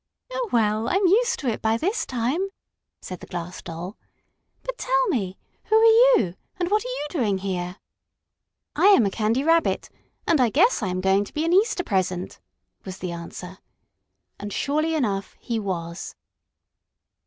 "Oh, well, I'm used to it by this time," said the Glass Doll. "But tell me, who are you, and what are you doing here?" "I am a Candy Rabbit, and I guess I am going to be an Easter present," was the answer. And, surely enough, he was.